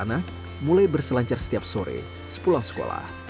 anak mulai berselancar setiap sore sepulang sekolah